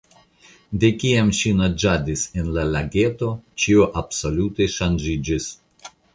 De kiam ŝi naĝadis en la lageto, ĉio absolute ŝanĝiĝis.